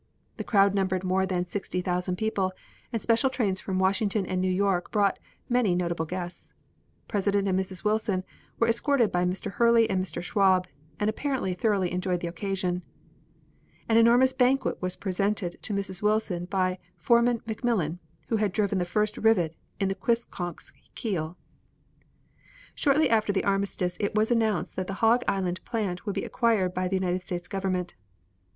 The crowd numbered more than sixty thousand people, and special trains from Washington and New York brought many notable guests. President and Mrs. Wilson were escorted by Mr. Hurley and Mr. Schwab, and apparently thoroughly enjoyed the occasion. An enormous bouquet was presented to Mrs. Wilson by Foreman McMillan, who had driven the first rivet in the Quistconck's keel. Shortly after the armistice it was announced that the Hog Island plant would be acquired by the United States Government.